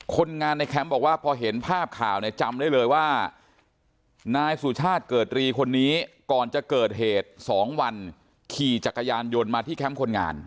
คนงานในแคมป์บอกว่าพอเห็นภาพข่าวเนี่ยจำได้เลยว่านายสุชาติเกิดรีคนนี้ก่อนจะเกิดเหตุ๒วันขี่จักรยานยนต์มาที่แคมป์คนงาน